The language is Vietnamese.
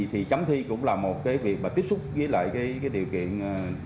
thì chấm thi cũng là một cái việc mà tiếp xúc với lại cái điều kiện